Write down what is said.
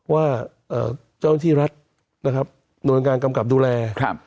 ว่าเจ้าที่รัฐโรงงานกำกับดูแล